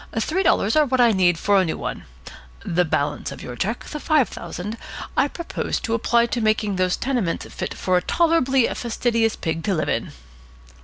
Three dollars are what I need for a new one. The balance of your cheque, the five thousand, I propose to apply to making those tenements fit for a tolerably fastidious pig to live in."